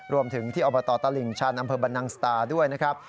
รวมถึงที่อบตตลิ่งชันอำเภอบรรนังสตาด้วยนะครับ